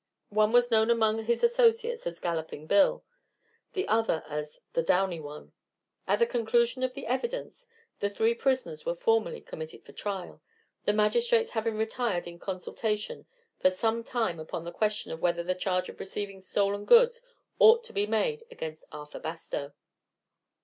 One was known among his associates as "Galloping Bill," the other as the "Downy One." At the conclusion of the evidence the three prisoners were formally committed for trial, the magistrates having retired in consultation for some time upon the question of whether the charge of receiving stolen goods ought to be made against Arthur Bastow.